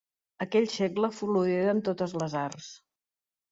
Aquell segle floriren totes les arts.